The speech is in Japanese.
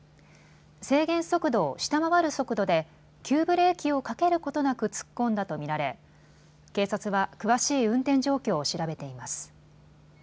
制限速度を下回る速度で急ブレーキをかけることなく突っ込んだと見られ警察は詳しい運転状況を調べています。